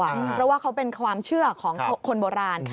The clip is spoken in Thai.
เพราะว่าเขาเป็นความเชื่อของคนโบราณ